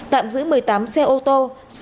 tạm giữ một mươi tám xe ô tô